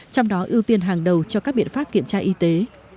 trong đó ưu tiên hàng đầu cho các biện pháp kiểm tra y tế